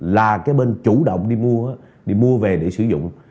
là cái bên chủ động đi mua đi mua về để sử dụng